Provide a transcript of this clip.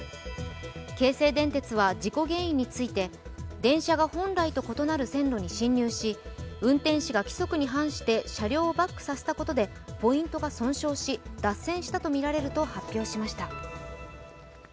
京成電鉄は事故原因について、電車が本来と異なる線路に進入し運転士が規則に反して車両をバックさせたことでポイントが損傷し、脱線したとみられると発表しました。